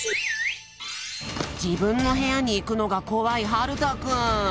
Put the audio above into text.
自分の部屋にいくのが怖いはるたくん。